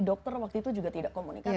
dokter waktu itu juga tidak komunikasi